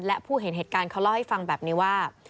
และผู้เห็นเหตุการณ์เขาเล่าให้ฟังแบบนี้ว่า